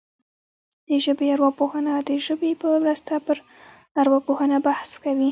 د ژبې ارواپوهنه د ژبې په مرسته پر ارواپوهنه بحث کوي